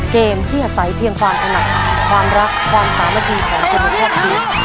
เกมที่อาศัยเพียงความถนัดความรักความสามัคคีของคนในครอบครัว